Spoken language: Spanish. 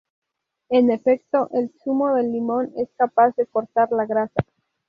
En efecto, el zumo de limón es capaz de cortar la grasa.